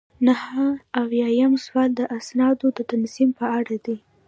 نهه اویایم سوال د اسنادو د تنظیم په اړه دی.